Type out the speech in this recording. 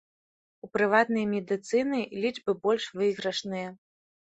У прыватнай медыцыны лічбы больш выйгрышныя.